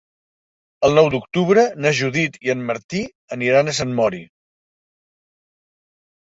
El nou d'octubre na Judit i en Martí aniran a Sant Mori.